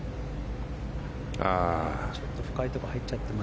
ちょっと深いところに入っちゃったな。